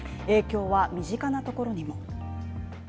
影響は身近なところにも。